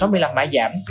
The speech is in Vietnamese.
sáu mươi năm mã giảm